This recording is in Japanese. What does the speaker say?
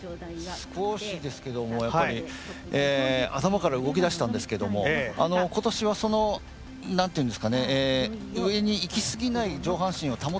少しですけども頭から動き出したんですけども今年は、上にいきすぎない上半身を保ててますね。